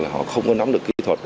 họ không có nắm được kỹ thuật